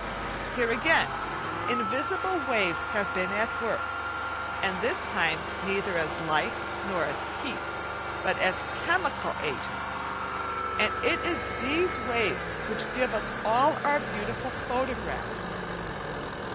Here, again, invisible waves have been at work, and this time neither as light nor as heat, but as chemical agents, and it is these waves which give us all our beautiful photographs.